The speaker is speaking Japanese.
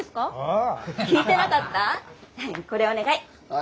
これお願い。